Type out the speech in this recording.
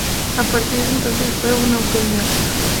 A partir de entonces fue un autodidacta.